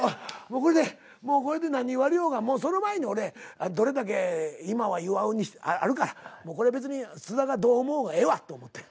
もうこれでもうこれで何言われようがその前に俺どれだけ「今は祝う」にしてあるからもうこれ別に菅田がどう思おうがええわと思って。